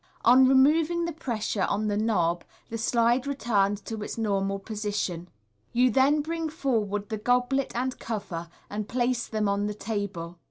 On removing the pressure on the knob. the slide returns to its normal position. You then bring forward the 200 MODERN MAGIC goblet and cover, and place them on the table.